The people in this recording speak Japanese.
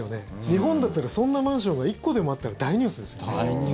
日本だったらそんなマンションが１個でもあったら大ニュースですよね。